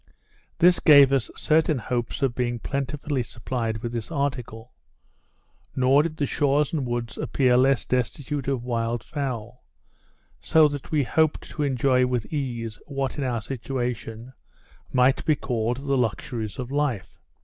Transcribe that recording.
This gave us certain hopes of being plentifully supplied with this article. Nor did the shores and woods appear less destitute of wild fowl; so that we hoped to enjoy with ease, what, in our situation, might be called the luxuries of life.